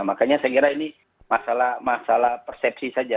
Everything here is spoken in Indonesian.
makanya saya kira ini masalah persepsi saja